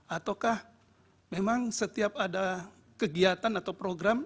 ataukah memang setiap ada kegiatan atau program